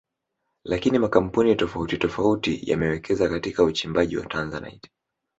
Lakini makampuni tofauti tofauti yamewekeza katika uchimbaji wa Tanzanite